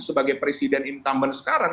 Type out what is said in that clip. sebagai presiden incumbent sekarang